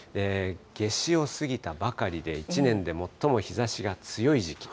夏至を過ぎたばかりで、一年で最も日ざしが強い時期。